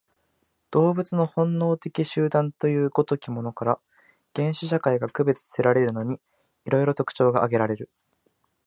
動物の本能的集団という如きものから、原始社会が区別せられるのに、色々特徴が挙げられる。